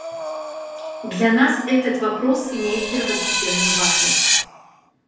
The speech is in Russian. Для нас этот вопрос имеет первостепенную важность.